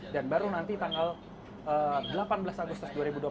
dan baru nanti tanggal delapan belas agustus dua ribu dua puluh tiga